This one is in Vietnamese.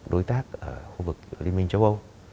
đối tác ở hộp lực liên minh châu âu